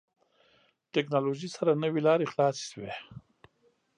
ټکنالوژي سره نوې لارې خلاصې شوې.